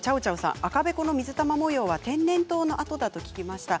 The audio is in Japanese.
赤べこの水玉模様は天然痘の痕だと聞きました。